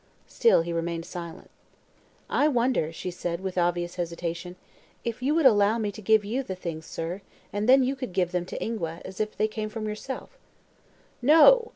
Still he remained silent. "I wonder," she said, with obvious hesitation, "if you would allow me to give you the things, sir, and then you give them to Ingua, as if they came from yourself." "No!"